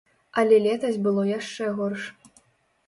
Але летась было яшчэ горш.